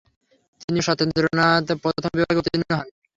তিনি ও সত্যেন্দ্রনাথ প্রথম বিভাগে উত্তীর্ণ হন।